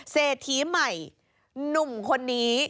เศรษฐีใหม่หนุ่มคนนี้